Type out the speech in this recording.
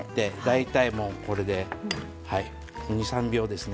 大体もうこれで２３秒ですね。